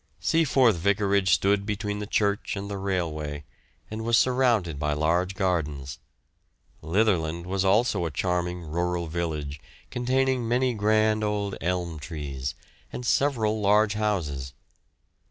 Seaforth vicarage stood between the church and the railway, and was surrounded by large gardens. Litherland was also a charming rural village, containing many grand old elm trees, and several large houses.